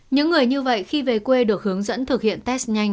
những người như vậy khi về quê được hướng dẫn thực hiện test nhanh